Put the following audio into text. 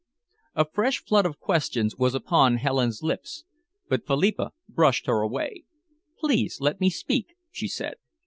A fresh flood of questions was upon Helen's lips, but Philippa brushed her away. "Please let me speak," she said.